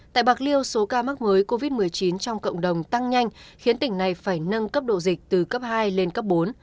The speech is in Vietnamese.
tại bạc liêu số ca mắc mới covid một mươi chín trong cộng đồng tăng nhanh khiến tỉnh này phải nâng cấp độ dịch từ cấp hai lên cấp bốn